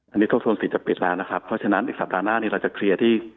อันนี้ทบทวนสิทธิ์แล้วนะครับเพราะฉะนั้นอีกสัปดาห์หน้านี้เราจะเคลียร์ที่